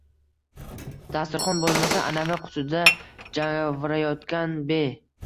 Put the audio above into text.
— Dasturxon bo‘lmasa, anavi qutida javrayotgan be-